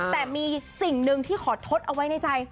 แต่มีสิ่งหนึ่งที่ขอทดเอาไว้ในใจ